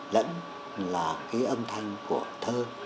lẫn là cái âm thanh của thơ